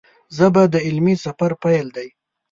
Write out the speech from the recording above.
ژبه د علمي سفر پیل دی